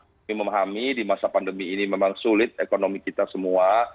kami memahami di masa pandemi ini memang sulit ekonomi kita semua